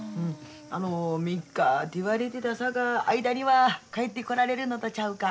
あの３日て言われてたさか明日には帰ってこられるのとちゃうか？